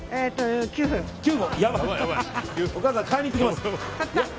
お母さん、買いに行ってきます。